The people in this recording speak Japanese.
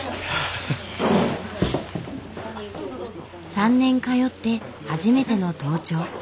３年通って初めての登頂。